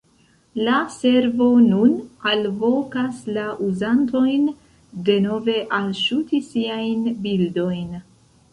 La servo nun alvokas la uzantojn denove alŝuti siajn bildojn.